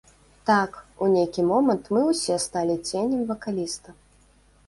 Так, у нейкі момант мы ўсе сталі ценем вакаліста.